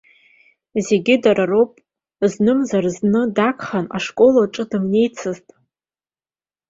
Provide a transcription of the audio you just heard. Зегьы дара роуп, знымзар-зны дагхан ашколаҿ дымнеицызт.